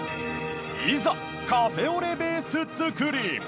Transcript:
いざカフェオレベース作り。